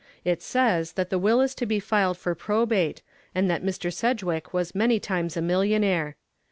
It says that the will is to be filed for probate and that Mr. Sedgwick was many times a millionaire.